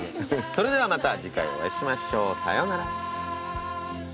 それではまた次回お会いしましょうさようなら。